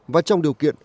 và trong điều kiện